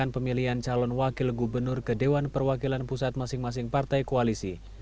pemilihan calon wakil gubernur ke dewan perwakilan pusat masing masing partai koalisi